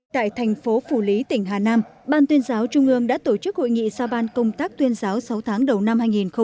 tại thành phố phủ lý tỉnh hà nam ban tuyên giáo trung ương đã tổ chức hội nghị sao ban công tác tuyên giáo sáu tháng đầu năm hai nghìn một mươi chín